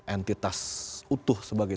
entitas utuh sebagai